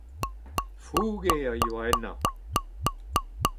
Fouge a oa ennañ.